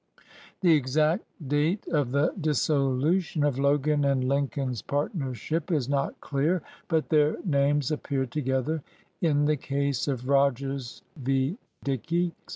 The exact date of the dissolution of Logan & 131 LINCOLN THE LAWYER Lincoln's partnership is not clear, but their names appear together in the case of Rogers v. Dickey (6 Ills.